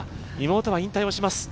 妹は引退をします。